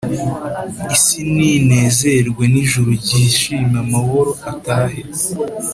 Isi ninezerwe nijuru ryishime amahoro atahe